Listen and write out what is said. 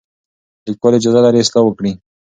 لیکوال اجازه لري اصلاح وکړي.